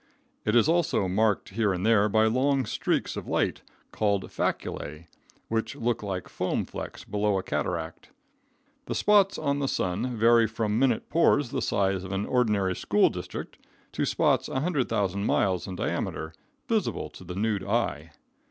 It is also marked here and there by long streaks of light, called faculae, which look like foam flecks below a cataract. The spots on the sun vary from minute pores the size of an ordinary school district to spots 100,000 miles in diameter, visible to the nude eye.